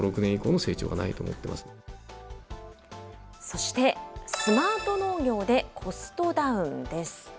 そしてスマート農業でコストダウンです。